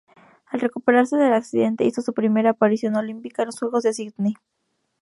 Al recuperarse del accidente, hizo su primera aparición olímpica, en los Juegos de Sidney.